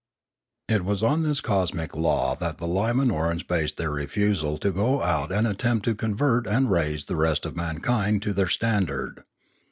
It was on this cosmic law that the L,imanorans based their refusal to go out and attempt to convert and raise the rest of mankind to their standard.